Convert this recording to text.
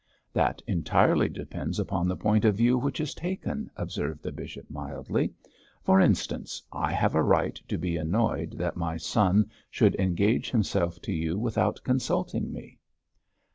'That entirely depends upon the point of view which is taken,' observed the bishop, mildly. 'For instance, I have a right to be annoyed that my son should engage himself to you without consulting me.'